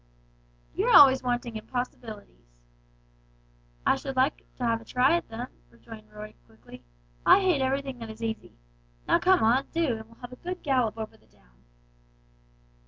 "You're always wanting to do impossibilities!" "I should like to have a try at them," rejoined Roy, quickly. "I hate everything that is easy. Now come on, do! and we'll have a good gallop over the down!"